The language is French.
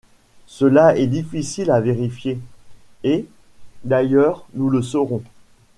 Cela est difficile à vérifier, et, d’ailleurs, nous le saurons!